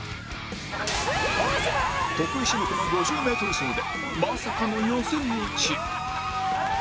得意種目の５０メートル走でまさかの予選落ち